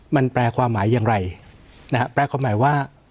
มันแปลความหมายอย่างไรนะฮะแปลความหมายว่า